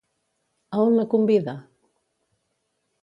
A on la convida?